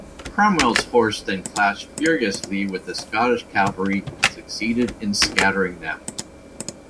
Cromwell's horse then clashed furiously with the Scottish cavalry and succeeded in scattering them.